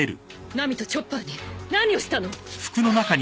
ナミとチョッパーに何をしたの？